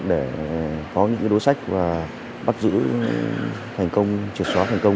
để có những đối sách và bắt giữ truyệt xóa thành công